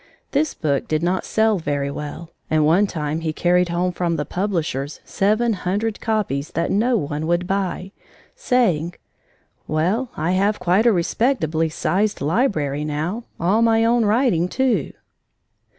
This book did not sell very well, and one time he carried home from the publishers seven hundred copies that no one would buy, saying: "Well, I have quite a respectably sized library now all my own writing, too!"